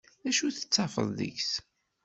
D acu tettafeḍ deg-s.